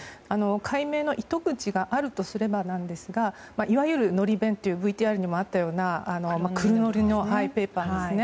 解明の糸口があるとすればなんですがいわゆるのり弁というＶＴＲにもあったような黒塗りのペーパーですね。